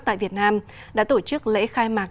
tại việt nam đã tổ chức lễ khai mạc